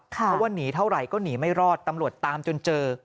เพราะว่าหนีเท่าไหร่ก็หนีไม่รอดตำรวจตามจนเจอ